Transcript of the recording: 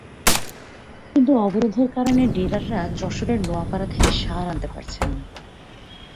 কিন্তু অবরোধের কারণে ডিলাররা যশোরের নোয়াপাড়া থেকে সার আনতে পারছেন না।